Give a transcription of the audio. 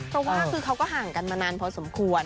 เพราะว่าคือเขาก็ห่างกันมานานพอสมควร